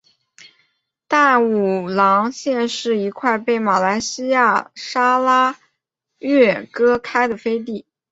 淡武廊县是一块被马来西亚砂拉越割开的飞地。